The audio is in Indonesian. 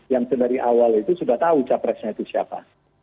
yang dari awal itu sudah tahu capresnya itu siapa